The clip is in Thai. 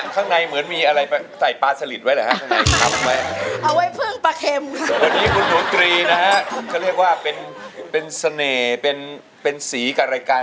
แทน๓ตัวละนี้ไม่ได้